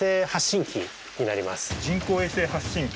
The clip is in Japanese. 「人工衛星発信機」？